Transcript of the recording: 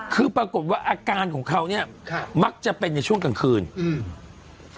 คือปรากฏว่าอาการของเขาเนี้ยค่ะมักจะเป็นในช่วงกลางคืนอืม